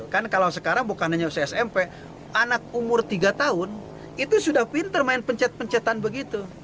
kan kalau sekarang bukan hanya usia smp anak umur tiga tahun itu sudah pinter main pencet pencetan begitu